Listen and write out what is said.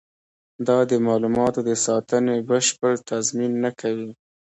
دا د معلوماتو د ساتنې بشپړ تضمین نه کوي.